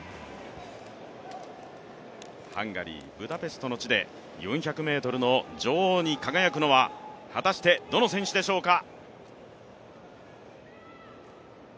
ハンガリー・ブダペストの地で４００ｍの女王に輝くのは果たしてどの選手でしょうか。